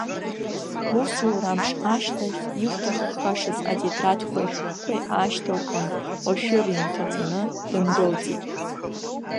Лусурамш ашьҭахь, илҭаххашаз атетрадқәеи ашәҟәқәеи аашьҭылхын лшәыра инҭаҵаны, дындәылҵит.